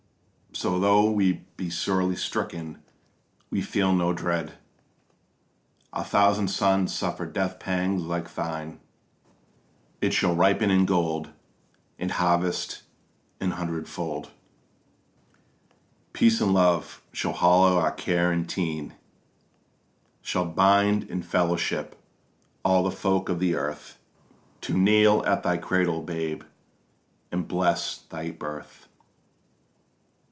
So tho' we be sorely stricken we feel no dread: Our thousand sons suffer death pangs like thine: It shall ripen in gold and harvest an hundredfold: Peace and Love shall hallow our care and teen, Shall bind in fellowship all the folk of the earth To kneel at thy cradle, Babe, and bless thy birth.